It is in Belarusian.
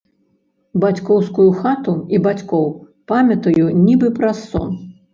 Бацькоўскую хату і бацькоў памятаю нібы праз сон.